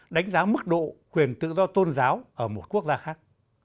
đánh giá mức độ quyền tự do tôn giáo ở một quốc gia khác